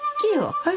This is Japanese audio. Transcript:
はい？